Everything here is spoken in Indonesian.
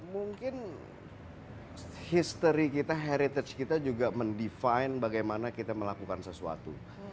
mungkin history kita heritage kita juga mendefine bagaimana kita melakukan sesuatu